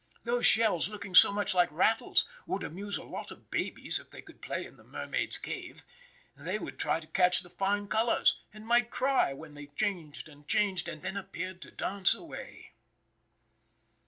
Those shells looking so much like rattles would amuse a lot of babies if they could play in the mermaid's cave. They would try to catch the fine colors, and might cry when they changed and changed, and then appeared to dance away.